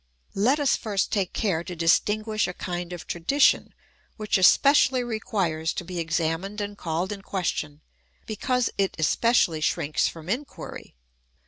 Let us first take care to distinguish a kind of tradi tion which especially requires to be examined and called 200 THE ETHICS OF BELIEF. in question, because it especially shrinks from inquiry.